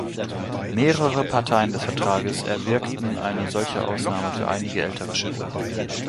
Mehrere Parteien des Vertrages erwirkten eine solche Ausnahme für einige ältere Schiffe.